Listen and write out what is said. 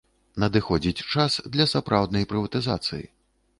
Надыходзіць час для сапраўднай прыватызацыі.